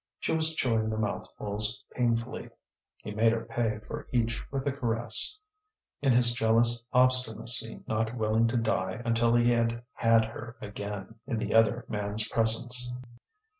She was chewing the mouthfuls painfully; he made her pay for each with a caress, in his jealous obstinacy not willing to die until he had had her again in the other man's presence.